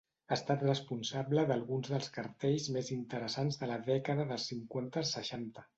Ha estat responsable d'alguns dels cartells més interessants de la dècada dels cinquanta al seixanta.